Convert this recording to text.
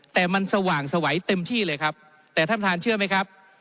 แต่มันสว่างสวัยเต็มที่เลยครับแต่ท่านเชื่อมั้ยครับ